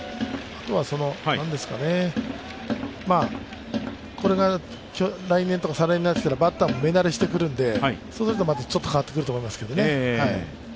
あとは、これが来年とか再来年とかになったらバッターも目慣れしてくるので、そうするとまたちょっと変わってくると思います。